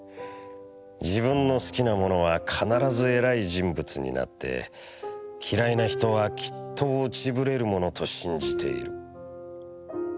自分の好きなものは必ずえらい人物になって、嫌いなひとはきっと落ち振れるものと信じている。